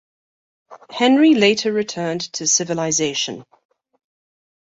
Henry later returned to civilization.